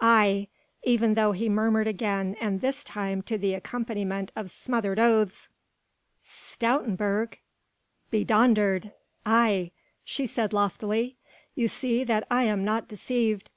aye! even though he murmured again and this time to the accompaniment of smothered oaths: "Stoutenburg? Bedonderd!" "Aye!" she said loftily, "you see that I am not deceived!